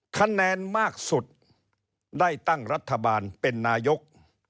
คะแนนมากสุดได้ตั้งรัฐบาลเป็นนายก